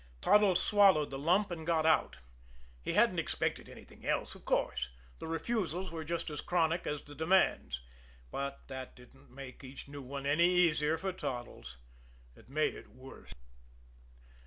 Toddles swallowed the lump and got out. He hadn't expected anything else, of course. The refusals were just as chronic as the demands. But that didn't make each new one any easier for Toddles. It made it worse.